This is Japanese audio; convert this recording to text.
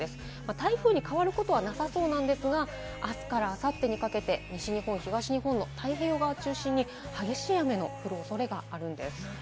台風に変わることはなさそうなんですが、あすからあさってにかけて西日本、東日本の太平洋側を中心に激しい雨の降るおそれがあるんです。